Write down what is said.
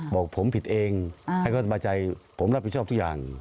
บอกผมผิดเองให้เขาสบายใจผมรับผิดชอบทุกอย่าง